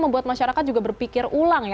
membuat masyarakat berpikir ulang